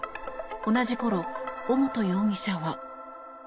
同じ頃、尾本容疑者は。